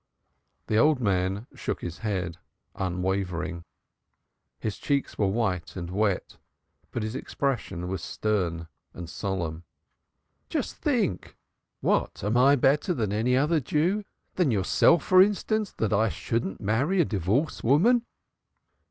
The old man shook his head, unwavering. His cheeks were white and wet, but his expression was stern and solemn. "Just think!" went on David passionately. "What am I better than another Jew than yourself for instance that I shouldn't marry a divorced woman?"